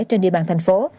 trên địa bàn thành phố